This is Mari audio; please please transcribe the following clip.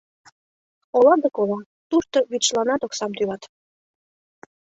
Ола дык ола, тушто вӱдшыланат оксам тӱлат.